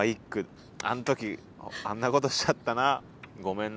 あん時あんなことしちゃったな。